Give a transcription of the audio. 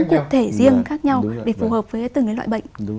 cụ thể riêng khác nhau để phù hợp với từng loại bệnh